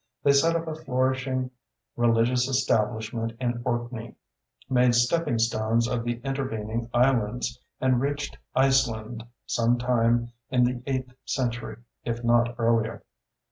They set up a flourishing religious establishment in Orkney, made stepping stones of the intervening islands, and reached Iceland some time in the eighth century, if not earlier.